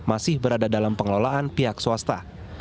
masih berada dalam pengelolaan pihak swasta